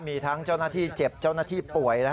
มีทั้งเจ้าหน้าที่เจ็บเจ้าหน้าที่ป่วย